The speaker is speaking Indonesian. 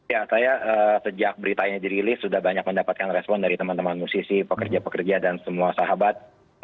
ya saya sejak beritanya dirilis sudah banyak mendapatkan respon dari teman teman musisi pekerja pekerja dan semua sahabat